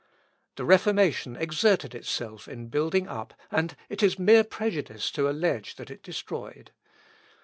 The Reformation exerted itself in building up, and it is mere prejudice to allege that it destroyed.